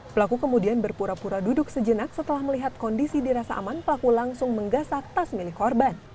pelaku kemudian berpura pura duduk sejenak setelah melihat kondisi dirasa aman pelaku langsung menggasak tas milik korban